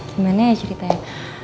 gimana ya ceritanya